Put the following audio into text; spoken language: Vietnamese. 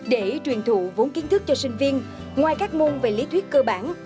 để truyền thụ vốn kiến thức cho sinh viên ngoài các môn về lý thuyết cơ bản